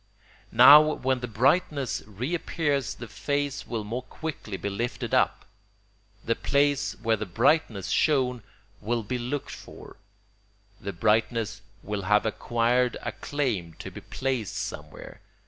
Now when the brightness reappears the face will more quickly be lifted up; the place where the brightness shone will be looked for; the brightness will have acquired a claim to be placed somewhere.